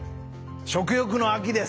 食欲の秋です。